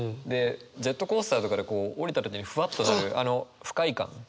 ジェットコースターとかで下りた時にふわっとなるあの不快感。